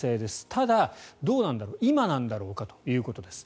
ただ、どうなんだろう今なんだろうかということです。